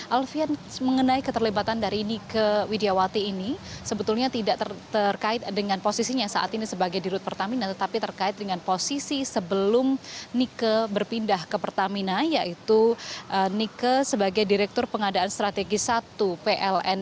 alfian mengenai keterlibatan dari nike widiawati ini sebetulnya tidak terkait dengan posisinya saat ini sebagai dirut pertamina tetapi terkait dengan posisi sebelum nike berpindah ke pertamina yaitu nike sebagai direktur pengadaan strategis satu pln